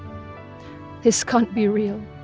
ini tidak bisa jadi benar